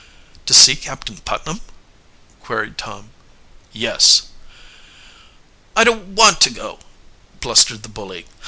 "To see Captain Putnam?" queried Tom. "Yes." "I don't want to go," blustered the bully.